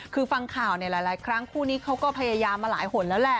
คือฟังข่าวในหลายครั้งคู่นี้เขาก็พยายามมาหลายหนแล้วแหละ